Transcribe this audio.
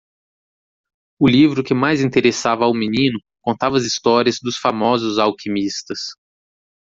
O livro que mais interessava ao menino contava as histórias dos famosos alquimistas.